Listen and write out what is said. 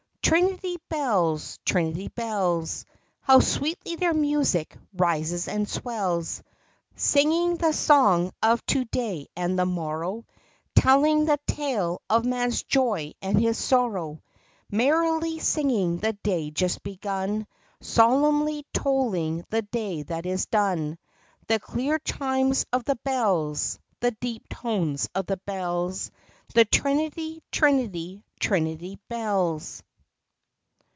Trinity Bells! Trinity Bells! How sweetly their music rises and swells, Singing the song of to day and the morrow, Telling the tale of man's joy and his sorrow, Merrily singing the day just begun, Solemnly tolling the day that is done, — The clear chimes of the bells, The deep tones of the bells, The Trinity, Trinity, Trinity Bells!